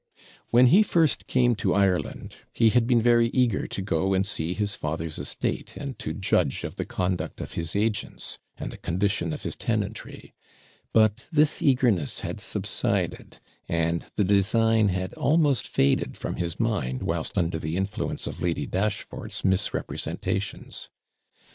When he first came to Ireland, he had been very eager to go and see his father's estate, and to judge of the conduct of his agents, and the condition of his tenantry; but this eagerness had subsided, and the design had almost faded from his mind, whilst under the influence of Lady Dashfort's misrepresentations.